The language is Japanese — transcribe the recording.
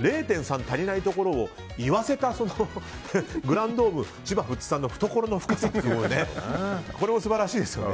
０．３足りないところを言わせたグランドーム千葉富津さんの懐の深さも素晴らしいですよね。